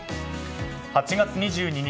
８月２２日